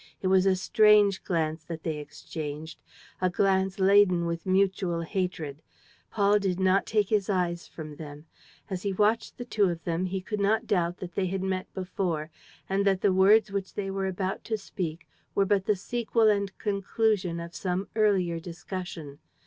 It was a strange glance that they exchanged, a glance laden with mutual hatred. Paul did not take his eyes from them. As he watched the two of them, he could not doubt that they had met before and that the words which they were about to speak were but the sequel and conclusion of some earlier discussion.